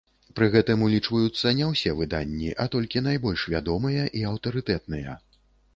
Пры гэтым улічваюцца не ўсе выданні, а толькі найбольш вядомыя і аўтарытэтныя.